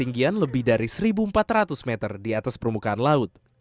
ketinggian lebih dari satu empat ratus meter di atas permukaan laut